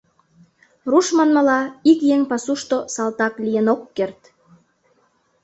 Руш манмыла, ик еҥ пасушто салтак лийын ок керт...